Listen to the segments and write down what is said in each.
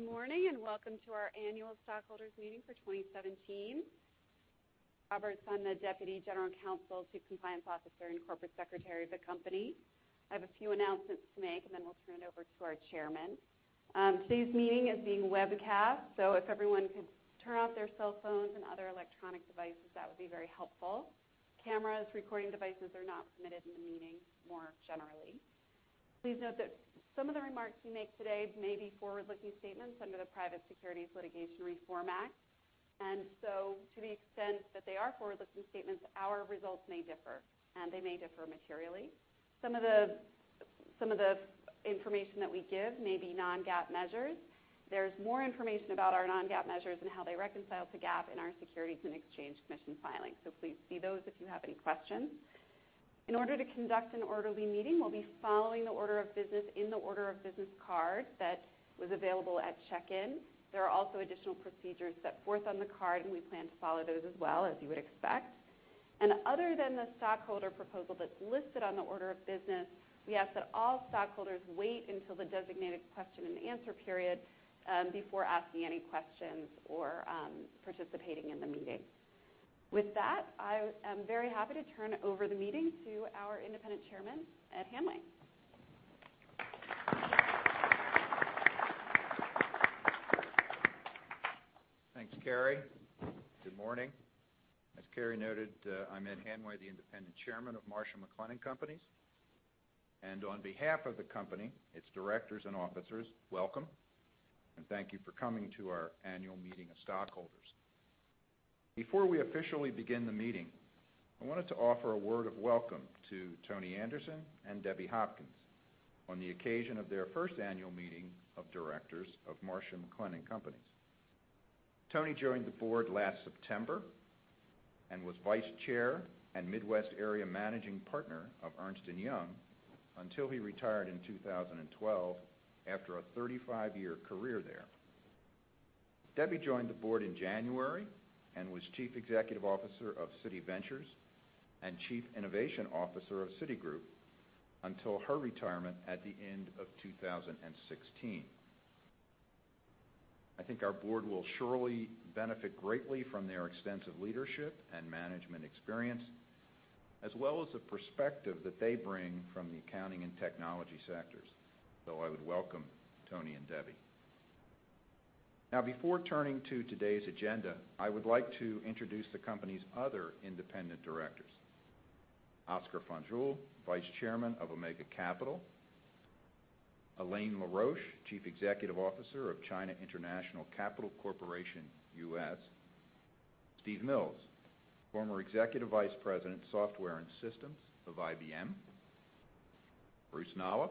Good morning. Welcome to our annual stockholders meeting for 2017. [Roberts] on the Deputy General Counsel to Compliance Officer and Corporate Secretary of the company. I have a few announcements to make. Then we'll turn it over to our chairman. Today's meeting is being webcast. If everyone could turn off their cell phones and other electronic devices, that would be very helpful. Cameras, recording devices are not permitted in the meeting more generally. Please note that some of the remarks we make today may be forward-looking statements under the Private Securities Litigation Reform Act. To the extent that they are forward-looking statements, our results may differ, and they may differ materially. Some of the information that we give may be non-GAAP measures. There's more information about our non-GAAP measures and how they reconcile to GAAP in our Securities and Exchange Commission filing. Please see those if you have any questions. In order to conduct an orderly meeting, we'll be following the order of business in the order of business card that was available at check-in. There are also additional procedures set forth on the card. We plan to follow those as well, as you would expect. Other than the stockholder proposal that's listed on the order of business, we ask that all stockholders wait until the designated question and answer period before asking any questions or participating in the meeting. With that, I am very happy to turn over the meeting to our independent chairman, Ed Hanway. Thanks, [Carrie]. Good morning. As [Carrie] noted, I'm Ed Hanway, the independent chairman of Marsh & McLennan Companies. On behalf of the company, its directors, and officers, welcome. Thank you for coming to our annual meeting of stockholders. Before we officially begin the meeting, I wanted to offer a word of welcome to Tony Anderson and Debbie Hopkins on the occasion of their first annual meeting of directors of Marsh & McLennan Companies. Tony joined the board last September and was vice chair and Midwest area managing partner of Ernst & Young until he retired in 2012 after a 35-year career there. Debbie joined the board in January and was chief executive officer of Citi Ventures and chief innovation officer of Citigroup until her retirement at the end of 2016. I think our board will surely benefit greatly from their extensive leadership and management experience, as well as the perspective that they bring from the accounting and technology sectors. I would welcome Tony and Debbie. Now, before turning to today's agenda, I would like to introduce the company's other independent directors. Oscar Fanjul, vice chairman of Omega Capital. Elaine LaRoche, chief executive officer of China International Capital Corporation US. Steve Mills, former executive vice president, software and systems of IBM. Bruce Nolop,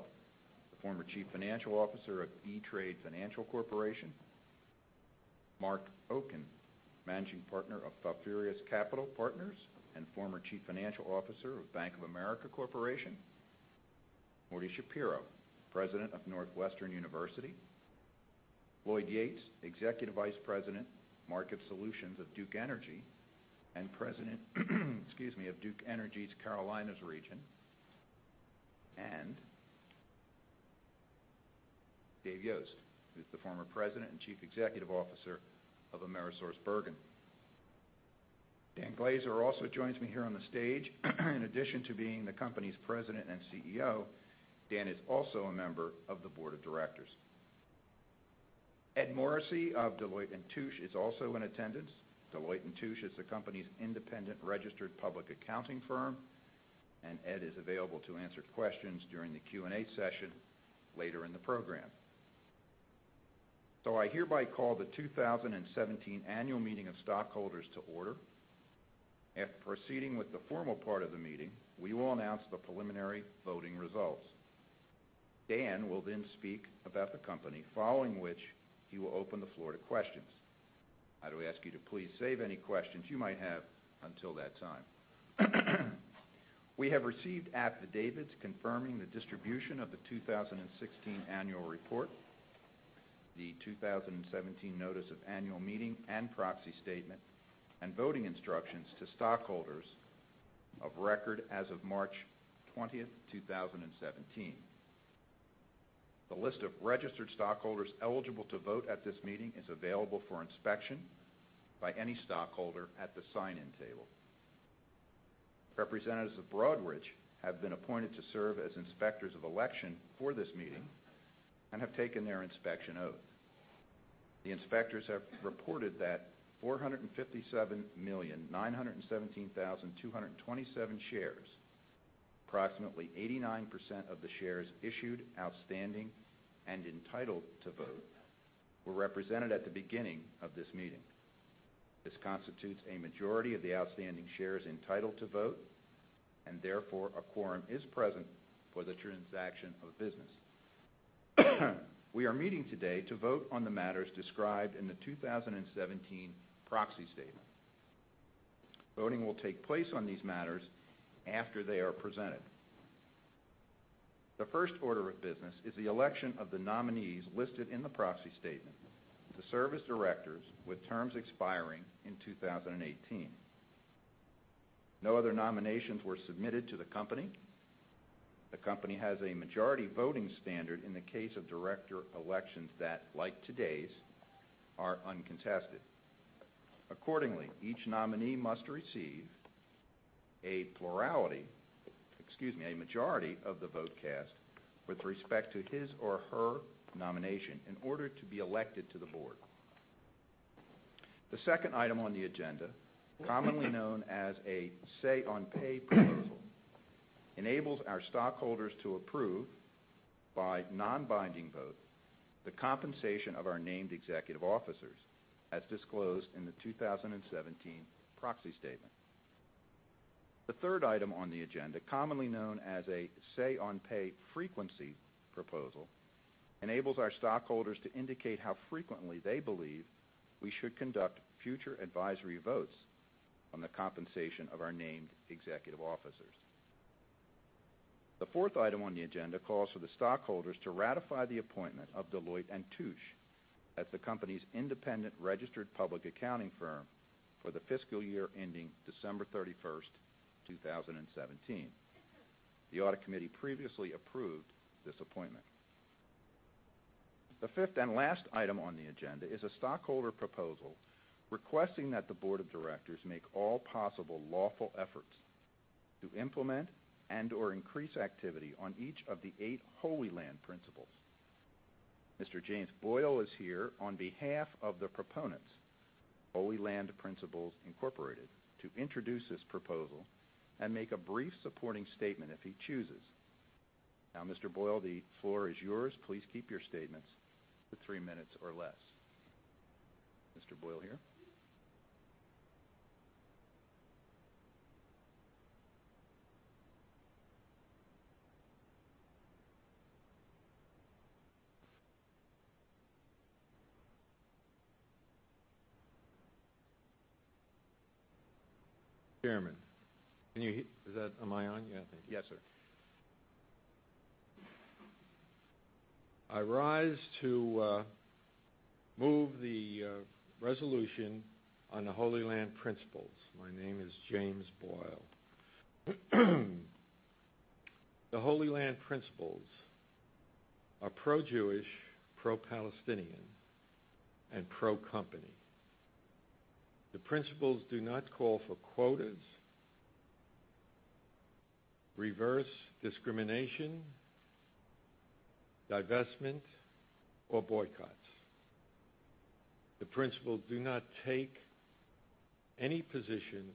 the former chief financial officer of E*TRADE Financial Corporation. Marc Oken, managing partner of Falfurrias Capital Partners and former chief financial officer of Bank of America Corporation. Morton Shapiro, president of Northwestern University. Lloyd Yates, executive vice president, market solutions of Duke Energy, and president of Duke Energy's Carolinas region. Dave Yost, who's the former president and chief executive officer of AmerisourceBergen. Dan Glaser also joins me here on the stage. In addition to being the company's President and Chief Executive Officer, Dan is also a member of the board of directors. Ed Morrissey of Deloitte & Touche is also in attendance. Deloitte & Touche is the company's independent registered public accounting firm, and Ed is available to answer questions during the Q&A session later in the program. I hereby call the 2017 annual meeting of stockholders to order. After proceeding with the formal part of the meeting, we will announce the preliminary voting results. Dan will speak about the company, following which he will open the floor to questions. I do ask you to please save any questions you might have until that time. We have received affidavits confirming the distribution of the 2016 annual report, the 2017 notice of annual meeting and proxy statement, and voting instructions to stockholders of record as of March 20th, 2017. The list of registered stockholders eligible to vote at this meeting is available for inspection by any stockholder at the sign-in table. Representatives of Broadridge have been appointed to serve as inspectors of election for this meeting and have taken their inspection oath. The inspectors have reported that 457,917,227 shares, approximately 89% of the shares issued, outstanding, and entitled to vote, were represented at the beginning of this meeting. This constitutes a majority of the outstanding shares entitled to vote, therefore, a quorum is present for the transaction of business. We are meeting today to vote on the matters described in the 2017 proxy statement. Voting will take place on these matters after they are presented. The first order of business is the election of the nominees listed in the proxy statement to serve as directors with terms expiring in 2018. No other nominations were submitted to the company. The company has a majority voting standard in the case of director elections that, like today's, are uncontested. Accordingly, each nominee must receive a plurality, excuse me, a majority of the vote cast with respect to his or her nomination in order to be elected to the board. The second item on the agenda, commonly known as a say on pay proposal, enables our stockholders to approve, by non-binding vote, the compensation of our named executive officers as disclosed in the 2017 proxy statement. The third item on the agenda, commonly known as a say on pay frequency proposal, enables our stockholders to indicate how frequently they believe we should conduct future advisory votes on the compensation of our named executive officers. The fourth item on the agenda calls for the stockholders to ratify the appointment of Deloitte & Touche as the company's independent registered public accounting firm for the fiscal year ending December 31st, 2017. The audit committee previously approved this appointment. The fifth and last item on the agenda is a stockholder proposal requesting that the board of directors make all possible lawful efforts to implement and/or increase activity on each of the eight Holy Land Principles. Mr. James Boyle is here on behalf of the proponents, Holy Land Principles Incorporated, to introduce this proposal and make a brief supporting statement if he chooses. Mr. Boyle, the floor is yours. Please keep your statements to three minutes or less. Mr. Boyle here. Chairman, am I on? Yeah, I think. Yes, sir. I rise to move the resolution on the Holy Land Principles. My name is James Boyle. The Holy Land Principles are pro-Jewish, pro-Palestinian, and pro-company. The principles do not call for quotas, reverse discrimination, divestment, or boycotts. The principles do not take any position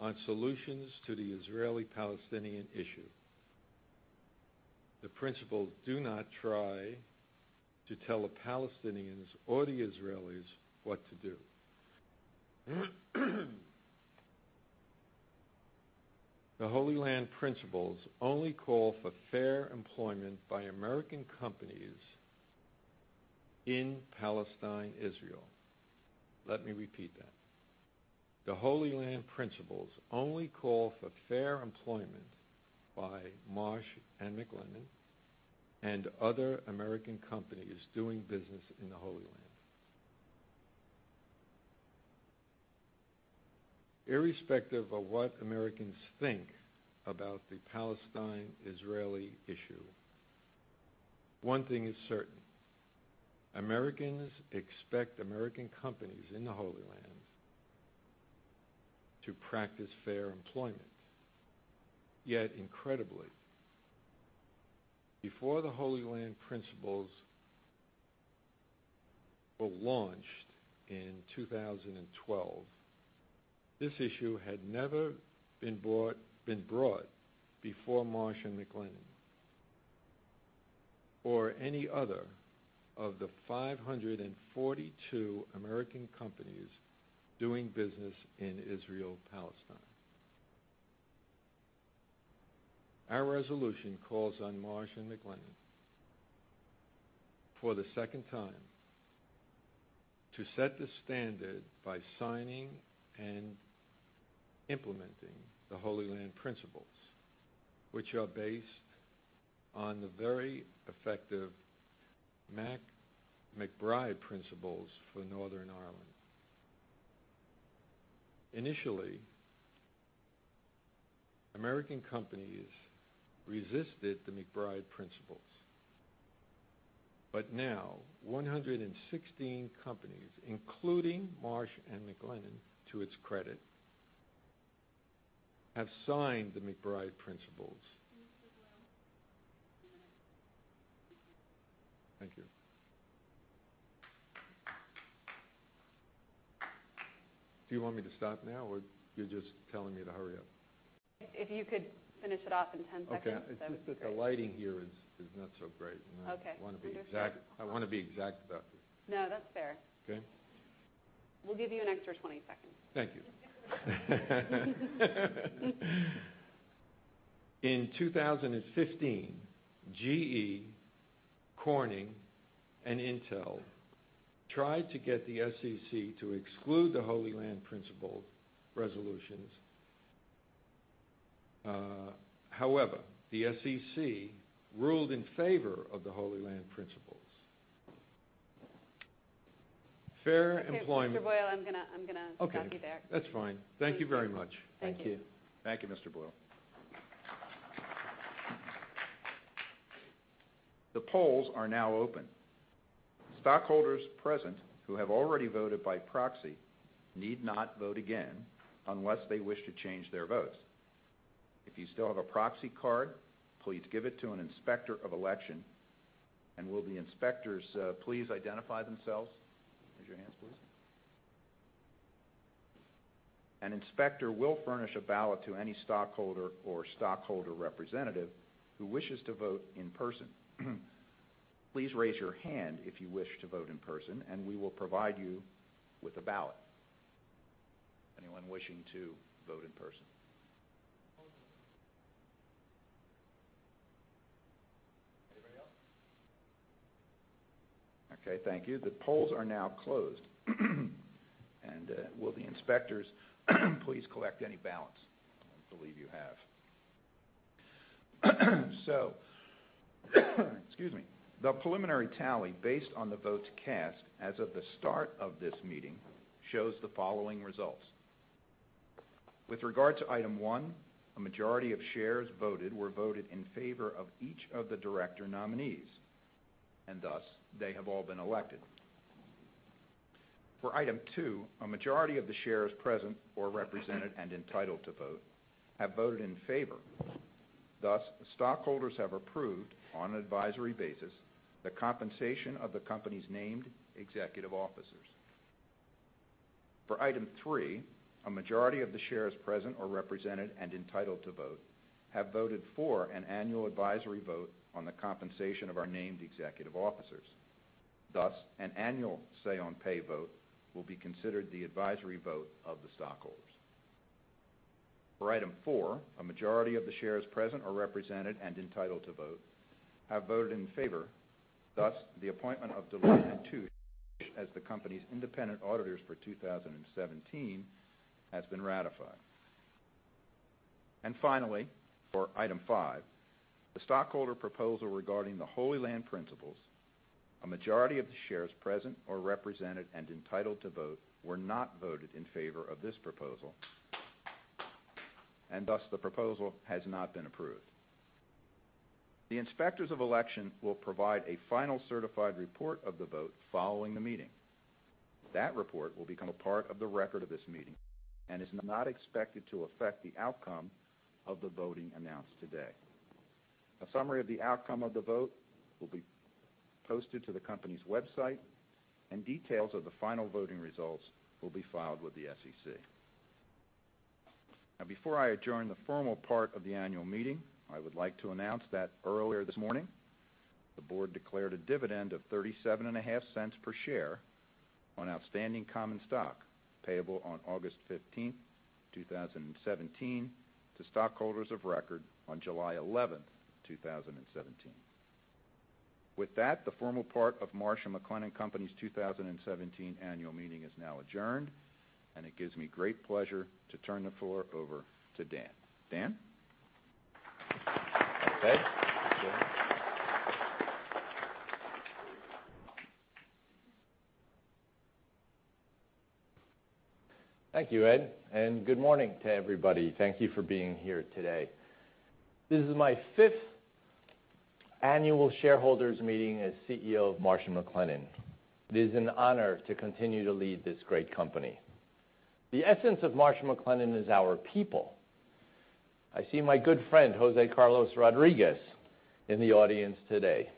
on solutions to the Israeli-Palestinian issue. The principles do not try to tell the Palestinians or the Israelis what to do. The Holy Land Principles only call for fair employment by American companies in Palestine, Israel. Let me repeat that. The Holy Land Principles only call for fair employment by Marsh & McLennan and other American companies doing business in the Holy Land. Irrespective of what Americans think about the Palestine-Israeli issue, one thing is certain: Americans expect American companies in the Holy Land to practice fair employment. Yet incredibly, before the Holy Land Principles were launched in 2012, this issue had never been brought before Marsh & McLennan or any other of the 542 American companies doing business in Israel/Palestine. Our resolution calls on Marsh & McLennan, for the second time, to set the standard by signing and implementing the Holy Land Principles, which are based on the very effective MacBride Principles for Northern Ireland. Initially, American companies resisted the MacBride Principles, but now 116 companies, including Marsh & McLennan, to its credit, have signed the MacBride Principles. Mr. Boyle, two minutes. Thank you. Do you want me to stop now, or you're just telling me to hurry up? If you could finish it off in 10 seconds, that would be great. Okay. It's just that the lighting here is not so great. Okay. I want to be exact about this. No, that's fair. Okay. We'll give you an extra 20 seconds. Thank you. In 2015, GE, Corning, and Intel tried to get the SEC to exclude the Holy Land Principles resolutions. However, the SEC ruled in favor of the Holy Land Principles. Mr. Boyle, I'm going to stop you there. Okay. That's fine. Thank you very much. Thank you. Thank you. Thank you, Mr. Boyle. The polls are now open. Stockholders present who have already voted by proxy need not vote again unless they wish to change their votes. If you still have a proxy card, please give it to an inspector of election. Will the inspectors please identify themselves? Raise your hands, please. An inspector will furnish a ballot to any stockholder or stockholder representative who wishes to vote in person. Please raise your hand if you wish to vote in person, and we will provide you with a ballot. Anyone wishing to vote in person? Anybody else? Okay. Thank you. The polls are now closed. Will the inspectors please collect any ballots? I don't believe you have. Excuse me. The preliminary tally, based on the votes cast as of the start of this meeting, shows the following results. With regard to item 1, a majority of shares voted were voted in favor of each of the director nominees, and thus they have all been elected. For item 2, a majority of the shares present or represented and entitled to vote have voted in favor. Thus, stockholders have approved, on an advisory basis, the compensation of the company's named executive officers. For item 3, a majority of the shares present or represented and entitled to vote have voted for an annual advisory vote on the compensation of our named executive officers. Thus, an annual say-on-pay vote will be considered the advisory vote of the stockholders. For item 4, a majority of the shares present or represented and entitled to vote have voted in favor. Thus, the appointment of Deloitte & Touche as the company's independent auditors for 2017 has been ratified. Finally, for item 5, the stockholder proposal regarding the Holy Land Principles, a majority of the shares present or represented and entitled to vote were not voted in favor of this proposal. Thus, the proposal has not been approved. The inspectors of election will provide a final certified report of the vote following the meeting. That report will become a part of the record of this meeting and is not expected to affect the outcome of the voting announced today. A summary of the outcome of the vote will be posted to the company's website, and details of the final voting results will be filed with the SEC. Before I adjourn the formal part of the annual meeting, I would like to announce that earlier this morning, the board declared a dividend of $0.375 per share on outstanding common stock, payable on August 15th, 2017, to stockholders of record on July 11th, 2017. With that, the formal part of Marsh & McLennan Companies' 2017 annual meeting is now adjourned, and it gives me great pleasure to turn the floor over to Dan. Dan? Thank you, Ed, and good morning to everybody. Thank you for being here today. This is my fifth annual shareholders meeting as CEO of Marsh & McLennan. It is an honor to continue to lead this great company. The essence of Marsh & McLennan is our people. I see my good friend, Jose Carlos Rodriguez, in the audience today.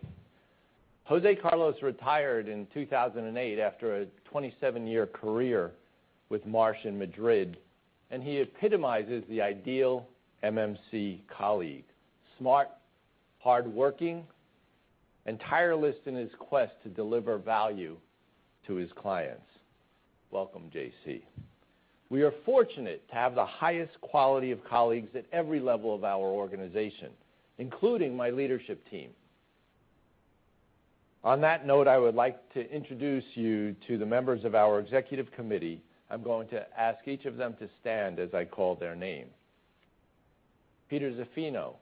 Jose Carlos retired in 2008 after a 27-year career with Marsh in Madrid, and he epitomizes the ideal MMC colleague: smart, hardworking, and tireless in his quest to deliver value to his clients. Welcome, JC. We are fortunate to have the highest quality of colleagues at every level of our organization, including my leadership team. On that note, I would like to introduce you to the members of our Executive Committee. I'm going to ask each of them to stand as I call their name. Peter Zaffino,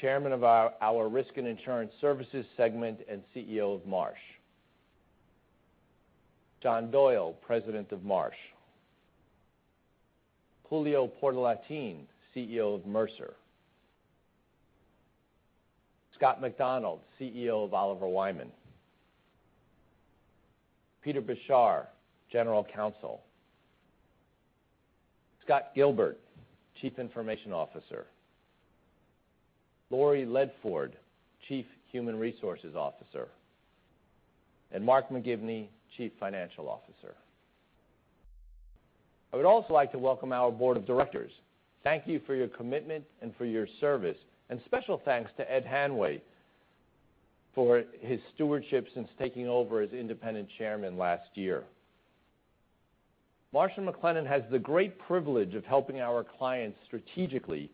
Chairman of our Risk and Insurance Services segment and CEO of Marsh. John Doyle, President of Marsh. Julio Portalatin, CEO of Mercer. Scott McDonald, CEO of Oliver Wyman. Peter Beshar, General Counsel. Scott Gilbert, Chief Information Officer. Laurie Ledford, Chief Human Resources Officer. Mark McGivney, Chief Financial Officer. I would also like to welcome our Board of Directors. Thank you for your commitment and for your service, and special thanks to Ed Hanway for his stewardship since taking over as Independent Chairman last year. Marsh & McLennan has the great privilege of helping our clients strategically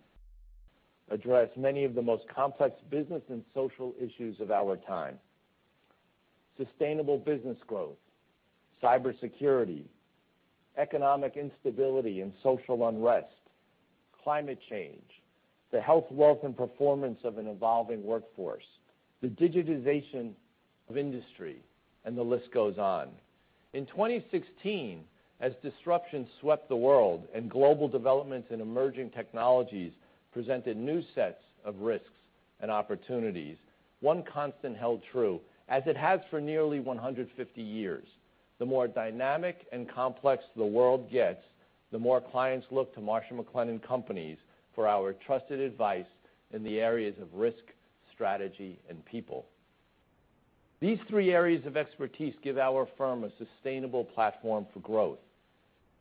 address many of the most complex business and social issues of our time. Sustainable business growth, cybersecurity, economic instability, and social unrest. Climate change, the health, wealth, and performance of an evolving workforce, the digitization of industry, and the list goes on. In 2016, as disruption swept the world and global developments in emerging technologies presented new sets of risks and opportunities, one constant held true, as it has for nearly 150 years. The more dynamic and complex the world gets, the more clients look to Marsh & McLennan Companies for our trusted advice in the areas of risk, strategy, and people. These three areas of expertise give our firm a sustainable platform for growth.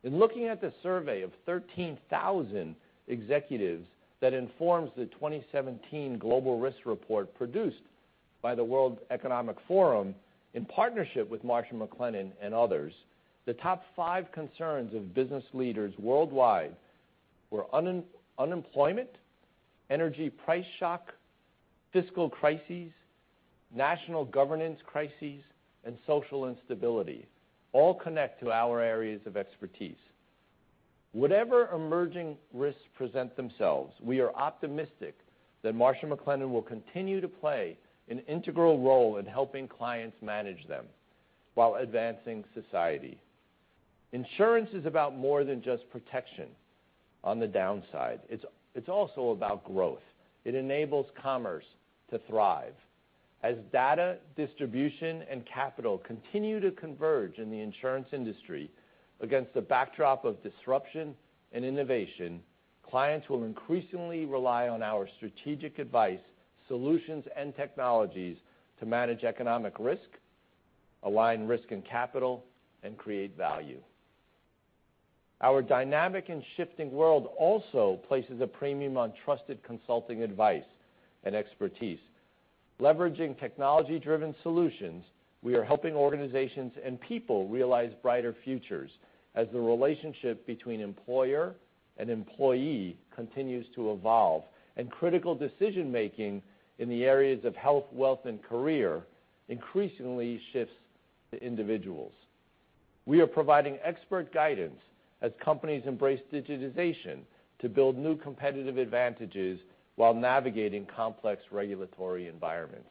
In looking at the survey of 13,000 executives that informs the 2017 Global Risk Report produced by the World Economic Forum in partnership with Marsh & McLennan and others, the top five concerns of business leaders worldwide were unemployment, energy price shock, fiscal crises, national governance crises, and social instability. All connect to our areas of expertise. Whatever emerging risks present themselves, we are optimistic that Marsh McLennan will continue to play an integral role in helping clients manage them while advancing society. Insurance is about more than just protection on the downside. It's also about growth. It enables commerce to thrive. As data, distribution, and capital continue to converge in the insurance industry against the backdrop of disruption and innovation, clients will increasingly rely on our strategic advice, solutions, and technologies to manage economic risk, align risk and capital, and create value. Our dynamic and shifting world also places a premium on trusted consulting advice and expertise. Leveraging technology-driven solutions, we are helping organizations and people realize brighter futures as the relationship between employer and employee continues to evolve, and critical decision-making in the areas of health, wealth, and career increasingly shifts to individuals. We are providing expert guidance as companies embrace digitization to build new competitive advantages while navigating complex regulatory environments.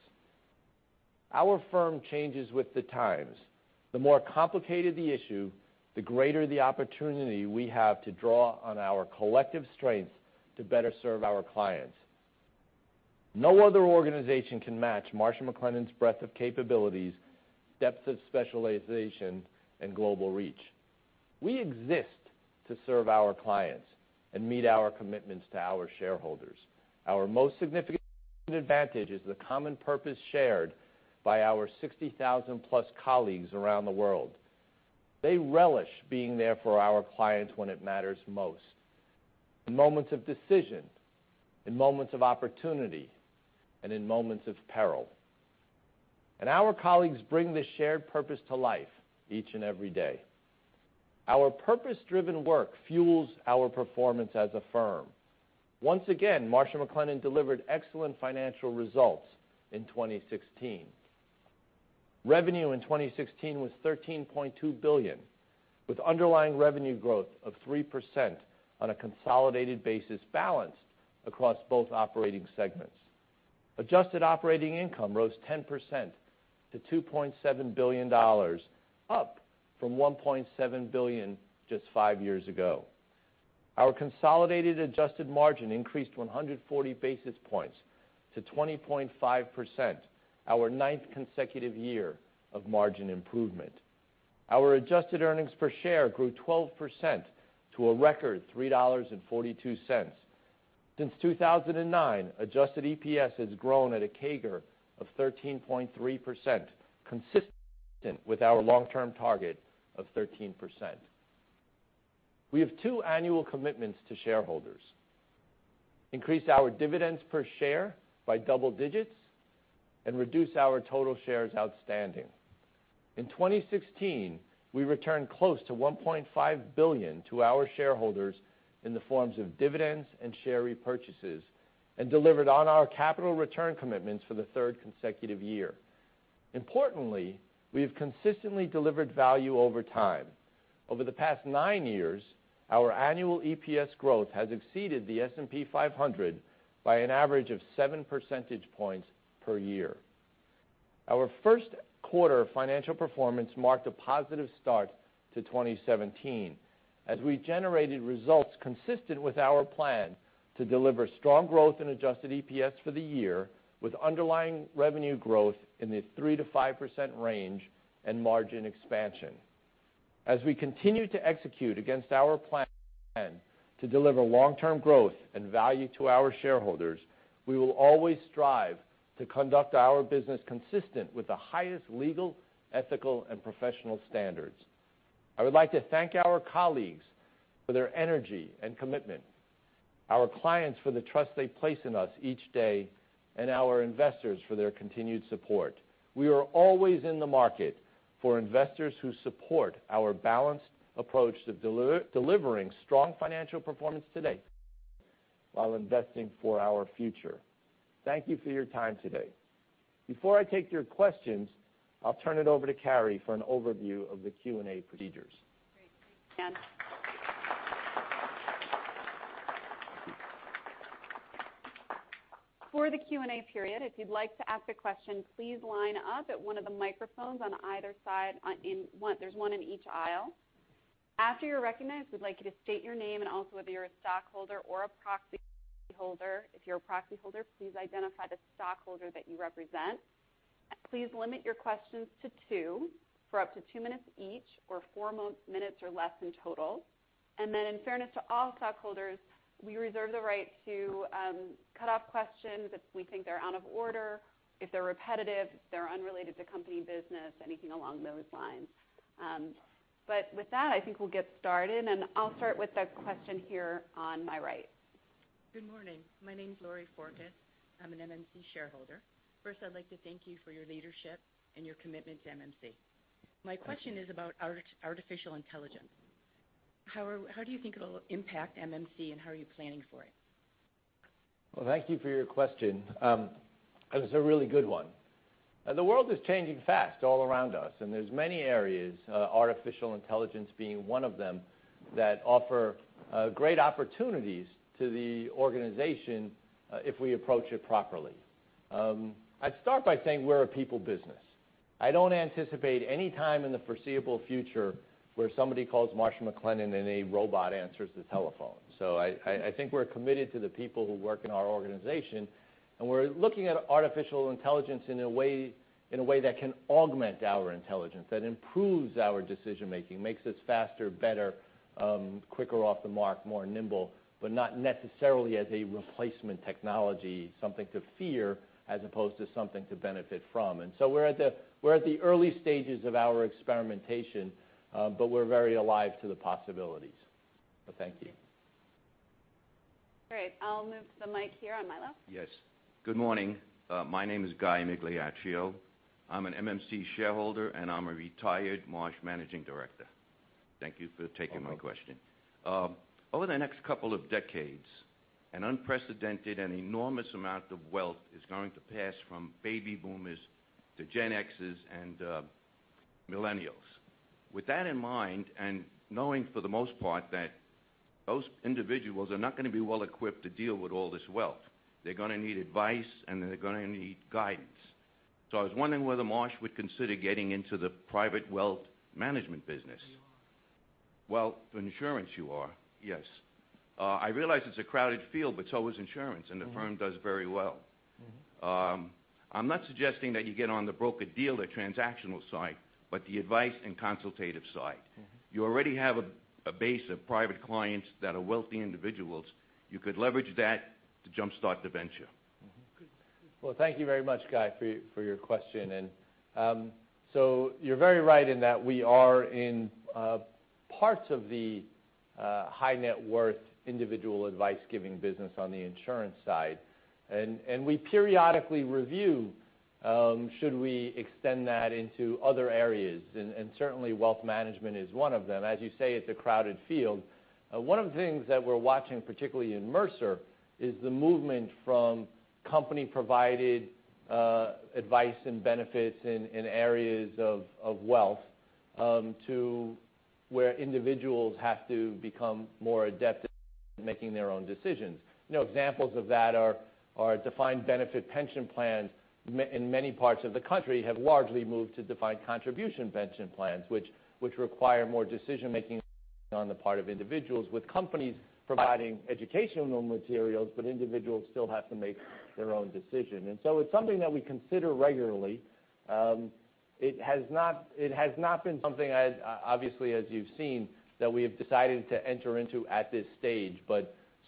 Our firm changes with the times. The more complicated the issue, the greater the opportunity we have to draw on our collective strengths to better serve our clients. No other organization can match Marsh McLennan's breadth of capabilities, depth of specialization, and global reach. We exist to serve our clients and meet our commitments to our shareholders. Our most significant advantage is the common purpose shared by our 60,000-plus colleagues around the world. They relish being there for our clients when it matters most, in moments of decision, in moments of opportunity, and in moments of peril. Our colleagues bring this shared purpose to life each and every day. Our purpose-driven work fuels our performance as a firm. Once again, Marsh McLennan delivered excellent financial results in 2016. Revenue in 2016 was $13.2 billion, with underlying revenue growth of 3% on a consolidated basis balanced across both operating segments. Adjusted operating income rose 10% to $2.7 billion, up from $1.7 billion just five years ago. Our consolidated adjusted margin increased 140 basis points to 20.5%, our ninth consecutive year of margin improvement. Our adjusted EPS grew 12% to a record $3.42. Since 2009, adjusted EPS has grown at a CAGR of 13.3%, consistent with our long-term target of 13%. We have two annual commitments to shareholders, increase our dividends per share by double digits and reduce our total shares outstanding. In 2016, we returned close to $1.5 billion to our shareholders in the forms of dividends and share repurchases and delivered on our capital return commitments for the third consecutive year. Importantly, we have consistently delivered value over time. Over the past nine years, our annual EPS growth has exceeded the S&P 500 by an average of seven percentage points per year. Our first quarter financial performance marked a positive start to 2017 as we generated results consistent with our plan to deliver strong growth and adjusted EPS for the year with underlying revenue growth in the 3%-5% range and margin expansion. As we continue to execute against our plan to deliver long-term growth and value to our shareholders, we will always strive to conduct our business consistent with the highest legal, ethical, and professional standards. I would like to thank our colleagues for their energy and commitment, our clients for the trust they place in us each day, and our investors for their continued support. We are always in the market for investors who support our balanced approach to delivering strong financial performance today while investing for our future. Thank you for your time today. Before I take your questions, I'll turn it over to Carrie for an overview of the Q&A procedures. Great. Thank you, Dan. For the Q&A period, if you'd like to ask a question, please line up at one of the microphones on either side. There's one in each aisle. After you're recognized, we'd like you to state your name and also whether you're a stockholder or a proxy holder. If you're a proxy holder, please identify the stockholder that you represent. Please limit your questions to two for up to two minutes each, or four minutes or less in total. In fairness to all stockholders, we reserve the right to cut off questions if we think they're out of order, if they're repetitive, if they're unrelated to company business, anything along those lines. With that, I think we'll get started, and I'll start with the question here on my right. Good morning. My name's Lori Forkis. I'm an MMC shareholder. First, I'd like to thank you for your leadership and your commitment to MMC. My question is about artificial intelligence. How do you think it'll impact MMC, and how are you planning for it? Well, thank you for your question. It's a really good one. The world is changing fast all around us, and there's many areas, artificial intelligence being one of them, that offer great opportunities to the organization if we approach it properly. I'd start by saying we're a people business. I don't anticipate any time in the foreseeable future where somebody calls Marsh & McLennan, and a robot answers the telephone. I think we're committed to the people who work in our organization, and we're looking at artificial intelligence in a way that can augment our intelligence, that improves our decision-making, makes us faster, better, quicker off the mark, more nimble, but not necessarily as a replacement technology, something to fear as opposed to something to benefit from. We're at the early stages of our experimentation, but we're very alive to the possibilities. Thank you. Great. I'll move the mic here on my left. Yes. Good morning. My name is Guy Migliaccio. I'm an MMC shareholder, and I'm a retired Marsh managing director. Thank you for taking my question. Welcome. Over the next couple of decades, an unprecedented and enormous amount of wealth is going to pass from baby boomers to Gen X's and millennials. With that in mind, and knowing for the most part that those individuals are not going to be well equipped to deal with all this wealth, they're going to need advice, and then they're going to need guidance. I was wondering whether Marsh would consider getting into the private wealth management business. You are. Well, for insurance you are, yes. I realize it's a crowded field, but so is insurance, and the firm does very well. I'm not suggesting that you get on the broker-dealer transactional side, but the advice and consultative side. You already have a base of private clients that are wealthy individuals. You could leverage that to jumpstart the venture. Well, thank you very much, Guy, for your question. You're very right in that we are in parts of the high net worth individual advice-giving business on the insurance side. We periodically review, should we extend that into other areas, and certainly wealth management is one of them. As you say, it's a crowded field. One of the things that we're watching, particularly in Mercer, is the movement from company-provided advice and benefits in areas of wealth, to where individuals have to become more adept at making their own decisions. Examples of that are defined benefit pension plans in many parts of the country have largely moved to defined contribution pension plans, which require more decision-making on the part of individuals, with companies providing educational materials, but individuals still have to make their own decision. It's something that we consider regularly. It has not been something, obviously, as you've seen, that we have decided to enter into at this stage.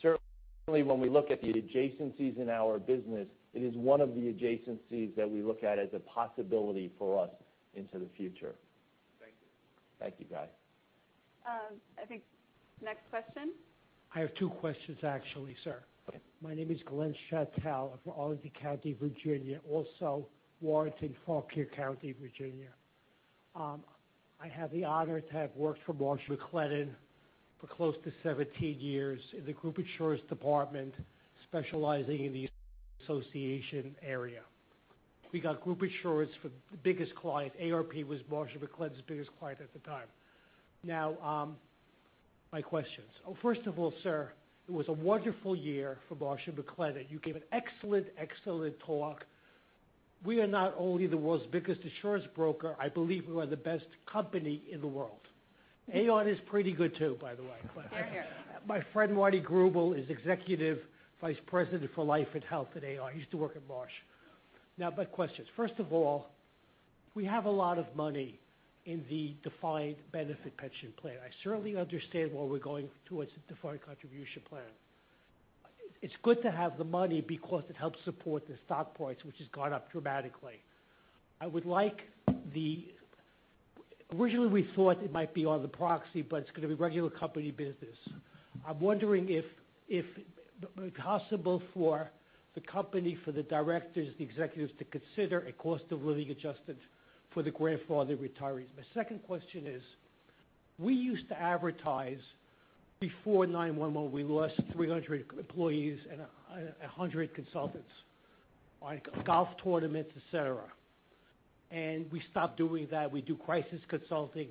Certainly when we look at the adjacencies in our business, it is one of the adjacencies that we look at as a possibility for us into the future. Thank you. Thank you, Guy. I think next question. I have two questions actually, sir. Okay. My name is Glenn Châtel of Arlington County, Virginia, also Warrenton, Fauquier County, Virginia. I have the honor to have worked for Marsh & McLennan for close to 17 years in the group insurance department, specializing in the association area. We got group insurance for the biggest client. AARP was Marsh & McLennan's biggest client at the time. Now, my questions. First of all, sir, it was a wonderful year for Marsh & McLennan. You gave an excellent talk. We are not only the world's biggest insurance broker, I believe we are the best company in the world. Aon is pretty good too, by the way. Hear, hear. My friend Marty Grubel is Executive Vice President for Life & Health at Aon. He used to work at Marsh. Now my questions. First of all, we have a lot of money in the defined benefit pension plan. I certainly understand why we're going towards a defined contribution plan. It's good to have the money because it helps support the stock price, which has gone up dramatically. Originally, we thought it might be on the proxy, but it's going to be regular company business. I'm wondering if it's possible for the company, for the directors and the executives to consider a cost of living adjustment for the grandfathered retirees. My second question is We used to advertise before 9/11, we lost 300 employees and 100 consultants on golf tournaments, et cetera. We stopped doing that. We do crisis consulting,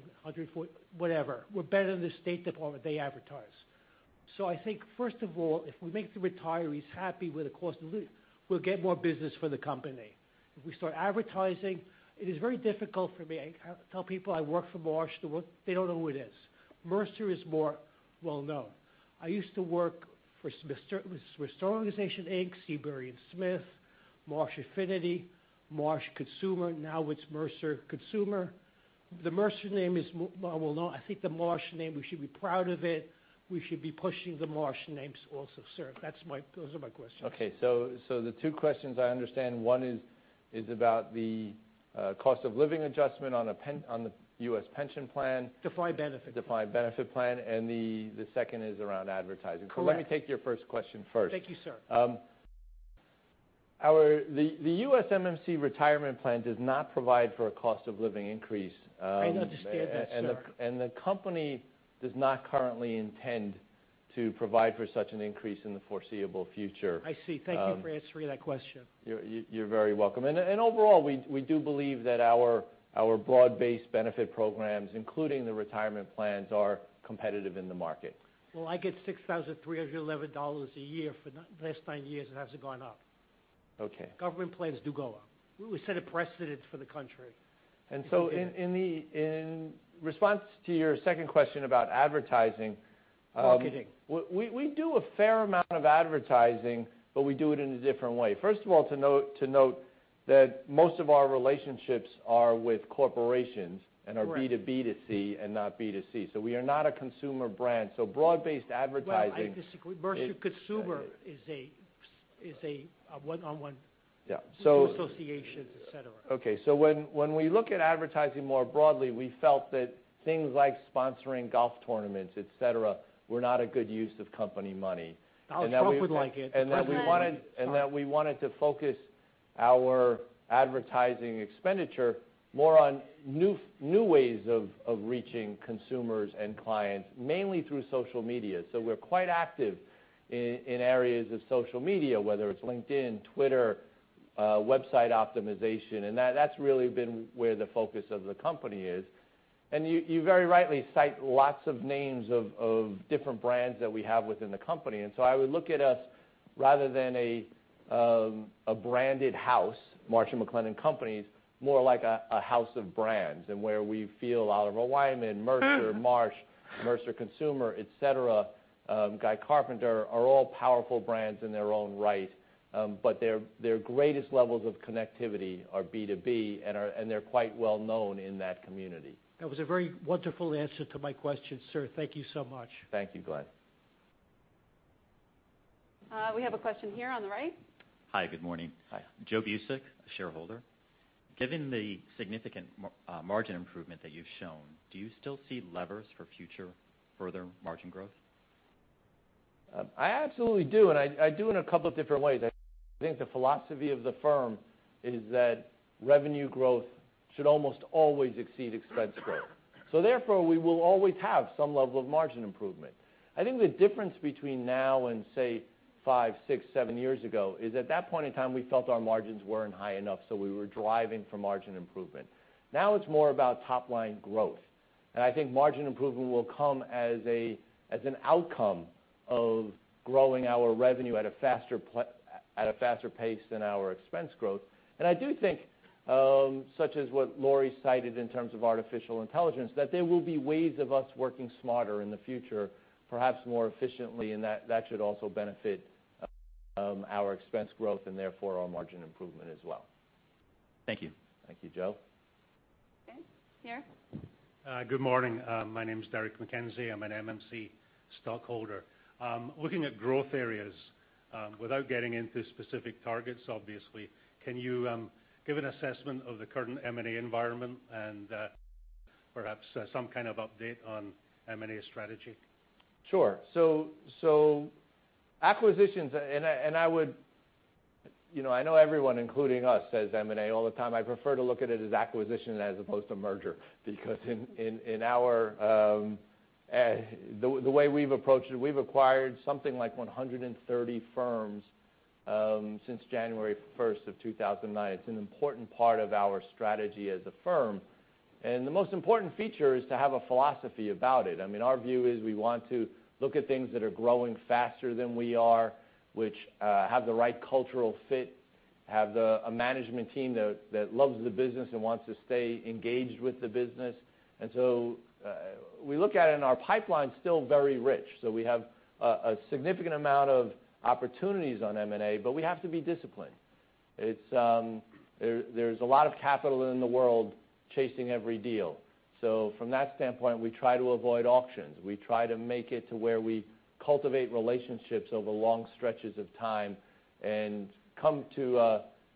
whatever. We're better than the State Department. They advertise. I think first of all, if we make the retirees happy with the cost of living, we'll get more business for the company. If we start advertising, it is very difficult for me. I tell people I work for Marsh & McLennan. They don't know who it is. Mercer is more well-known. I used to work for Restoration Hardware, Inc., Seabury & Smith, Marsh Affinity, Marsh Consumer. Now it's Mercer Consumer. The Mercer name is well-known. I think the Marsh name, we should be proud of it. We should be pushing the Marsh names also, sir. Those are my questions. Okay. The two questions I understand, one is about the cost of living adjustment on the U.S. pension plan. Defined benefit. Defined benefit plan. The second is around advertising. Correct. Let me take your first question first. Thank you, sir. The U.S. MMC retirement plan does not provide for a cost of living increase. I understand that, sir. The company does not currently intend to provide for such an increase in the foreseeable future. I see. Thank you for answering that question. You're very welcome. Overall, we do believe that our broad-based benefit programs, including the retirement plans, are competitive in the market. Well, I get $6,311 a year for the last nine years. It hasn't gone up. Okay. Government plans do go up. We set a precedent for the country. In response to your second question about advertising. Marketing We do a fair amount of advertising, but we do it in a different way. First of all, to note that most of our relationships are with corporations and are B2B2C and not B2C. We are not a consumer brand. Broad-based advertising. Well, I disagree. Mercer Consumer is a one-on-one. Yeah to associations, et cetera. When we look at advertising more broadly, we felt that things like sponsoring golf tournaments, et cetera, were not a good use of company money. Donald Trump would like it. We wanted to focus our advertising expenditure more on new ways of reaching consumers and clients, mainly through social media. We're quite active in areas of social media, whether it's LinkedIn, Twitter, website optimization, and that's really been where the focus of the company is. You very rightly cite lots of names of different brands that we have within the company. I would look at us rather than a branded house, Marsh & McLennan Companies, more like a house of brands and where we feel out of alignment, Mercer, Marsh, Mercer Consumer, et cetera, Guy Carpenter, are all powerful brands in their own right. Their greatest levels of connectivity are B2B, and they're quite well-known in that community. That was a very wonderful answer to my question, sir. Thank you so much. Thank you, Glenn. We have a question here on the right. Hi, good morning. Hi. Joe Busick, a shareholder. Given the significant margin improvement that you've shown, do you still see levers for future further margin growth? I absolutely do, and I do in a couple different ways. I think the philosophy of the firm is that revenue growth should almost always exceed expense growth. Therefore, we will always have some level of margin improvement. I think the difference between now and say five, six, seven years ago is at that point in time, we felt our margins weren't high enough, so we were driving for margin improvement. Now it's more about top-line growth, and I think margin improvement will come as an outcome of growing our revenue at a faster pace than our expense growth. I do think, such as what Lori cited in terms of artificial intelligence, that there will be ways of us working smarter in the future, perhaps more efficiently, and that should also benefit our expense growth and therefore our margin improvement as well. Thank you. Thank you, Joe. Okay. Here. Good morning. My name's Derek McKenzie. I'm an MMC stockholder. Looking at growth areas, without getting into specific targets, obviously, can you give an assessment of the current M&A environment and perhaps some kind of update on M&A strategy? Sure. Acquisitions, I know everyone, including us, says M&A all the time. I prefer to look at it as acquisition as opposed to merger because the way we've approached it, we've acquired something like 130 firms since January 1st of 2009. It's an important part of our strategy as a firm, the most important feature is to have a philosophy about it. Our view is we want to look at things that are growing faster than we are, which have the right cultural fit, have a management team that loves the business and wants to stay engaged with the business. We look at it, our pipeline's still very rich. We have a significant amount of opportunities on M&A, but we have to be disciplined. There's a lot of capital in the world chasing every deal. From that standpoint, we try to avoid auctions. We try to make it to where we cultivate relationships over long stretches of time and come to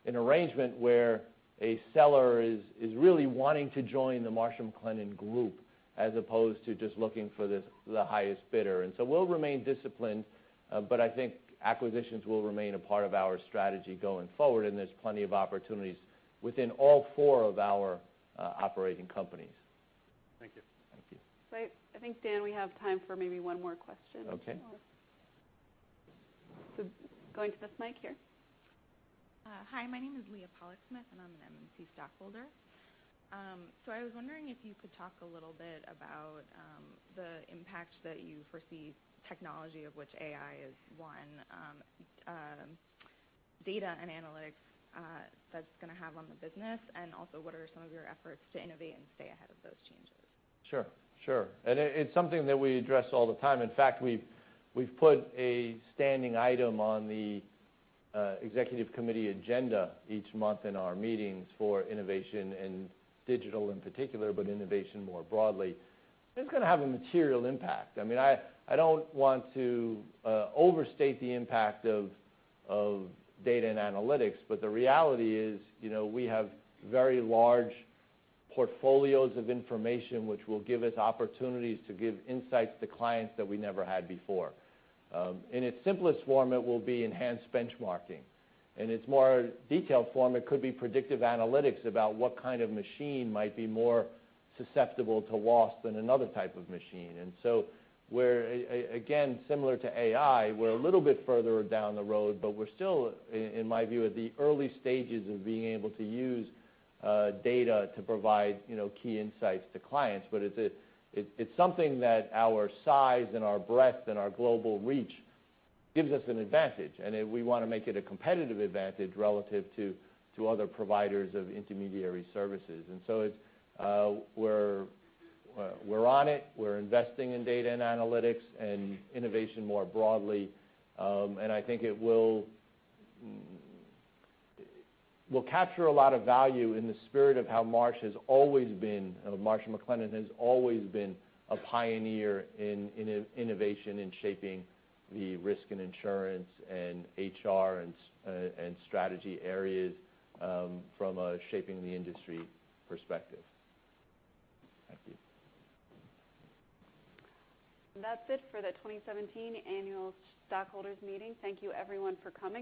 an arrangement where a seller is really wanting to join the Marsh & McLennan Group as opposed to just looking for the highest bidder. We'll remain disciplined, but I think acquisitions will remain a part of our strategy going forward, and there's plenty of opportunities within all four of our operating companies. Thank you. Thank you. I think, Dan, we have time for maybe one more question. Okay. Going to this mic here. Hi, my name is Leah Pollock Smith, and I'm an MMC stockholder. I was wondering if you could talk a little bit about the impact that you foresee technology, of which AI is one, data and analytics, that's going to have on the business, and also what are some of your efforts to innovate and stay ahead of those changes? Sure. It's something that we address all the time. In fact, we've put a standing item on the Executive Committee agenda each month in our meetings for innovation and digital in particular, but innovation more broadly. It's going to have a material impact. I don't want to overstate the impact of data and analytics, but the reality is we have very large portfolios of information which will give us opportunities to give insights to clients that we never had before. In its simplest form, it will be enhanced benchmarking. In its more detailed form, it could be predictive analytics about what kind of machine might be more susceptible to loss than another type of machine. Again, similar to AI, we're a little bit further down the road, but we're still, in my view, at the early stages of being able to use data to provide key insights to clients. It's something that our size and our breadth and our global reach gives us an advantage, and we want to make it a competitive advantage relative to other providers of intermediary services. We're on it. We're investing in data and analytics and innovation more broadly. I think it will capture a lot of value in the spirit of how Marsh & McLennan has always been a pioneer in innovation, in shaping the risk and insurance and HR and strategy areas from a shaping-the-industry perspective. Thank you. That's it for the 2017 Annual Stockholders' Meeting. Thank you everyone for coming.